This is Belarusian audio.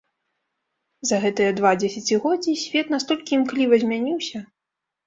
За гэтыя два дзесяцігоддзі свет настолькі імкліва змяніўся!